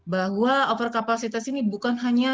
bahwa overcapacitas ini bukan hanya